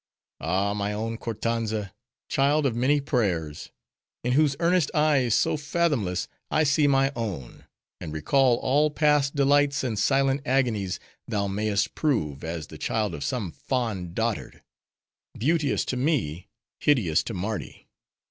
Ah, my own Kortanza! child of many prayers!—in whose earnest eyes, so fathomless, I see my own; and recall all past delights and silent agonies thou may'st prove, as the child of some fond dotard:— beauteous to me; hideous to Mardi!